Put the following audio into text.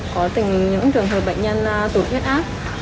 có những trường hợp bệnh nhân tụt huyết ác